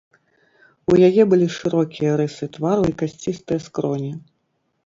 У яе былі шырокія рысы твару і касцістыя скроні.